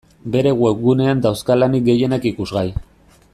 Bere webgunean dauzka lanik gehienak ikusgai.